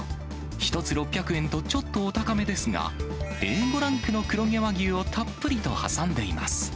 １つ６００円とちょっとお高めですが、Ａ５ランクの黒毛和牛をたっぷりと挟んでいます。